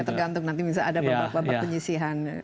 ya tergantung nanti misalnya ada beberapa penyisihan